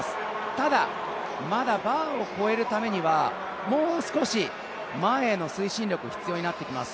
ただ、まだバーを越えるためにはもう少し前への推進力必要になってきます。